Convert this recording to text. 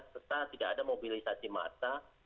serta tidak ada mobilisasi massa